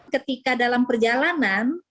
ketika dalam perjalanan